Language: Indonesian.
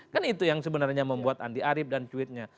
kan itu yang sebenarnya membuat andi ari dan tweetnya